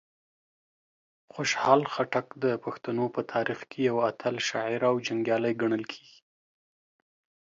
خوشحال خټک د پښتنو په تاریخ کې یو اتل شاعر او جنګیالی ګڼل کیږي.